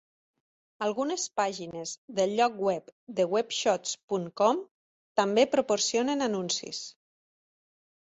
Algunes pàgines del lloc web de webshots punt com també proporcionen anuncis.